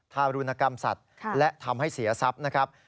ทารุณกรรมสัตว์และทำให้เสียทรัพย์นะครับ